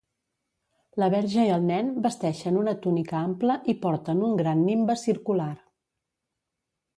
La Verge i el Nen vesteixen una túnica ampla i porten un gran nimbe circular.